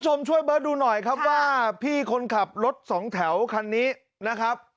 ช่วยเบิร์ตดูหน่อยครับว่าพี่คนขับรถสองแถวคันนี้นะครับ